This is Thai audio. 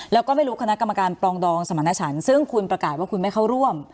แล้วก็ไม่รู้คณะกรรมการปรองดองสมรรถฉันซึ่งคุณประกาศว่าคุณไม่เข้าร่วม